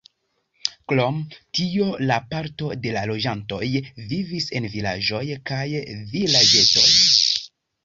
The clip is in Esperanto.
Krom tio, la parto de loĝantoj vivis en vilaĝoj kaj vilaĝetoj.